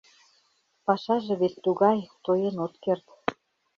— Пашаже вет тугай, тоен от керт...